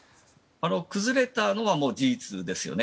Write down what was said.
崩れたのは事実ですよね